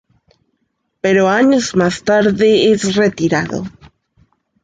Pero años más tarde es retirado.